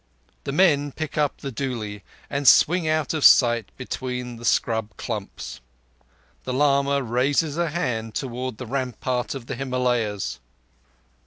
The men pick up the dooli and swing out of sight between the scrub clumps. The lama raises a hand toward the rampart of the Himalayas.